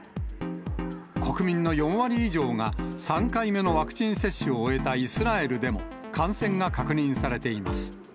国民の４割以上が、３回目のワクチン接種を終えたイスラエルでも感染が確認されています。